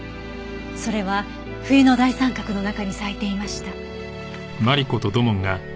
それは冬の大三角の中に咲いていました。